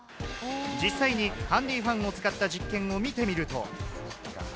実際にハンディファンを使った実験を見てみると。